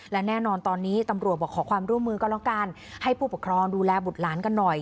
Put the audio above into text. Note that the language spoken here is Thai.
และแน่นอนตอนนี้ตำรวจบอกขอความร่วมมือก็แล้วกันให้ผู้ปกครองดูแลบุตรหลานกันหน่อย